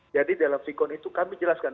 jadi dalam pikon itu kami jelaskan